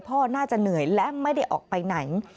พ่อน่าจะเหนื่อยและไม่ได้ออกไปไหน